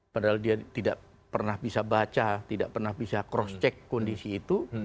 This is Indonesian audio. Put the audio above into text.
padahal dia tidak pernah bisa baca tidak pernah bisa cross check kondisi itu